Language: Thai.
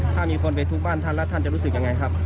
ถ้ามีคนไปทุบบ้านท่านแล้วท่านจะรู้สึกยังไงครับ